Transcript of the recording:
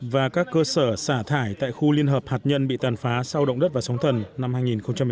và các cơ sở xả thải tại khu liên hợp hạt nhân bị tàn phá sau động đất và sóng thần năm hai nghìn một mươi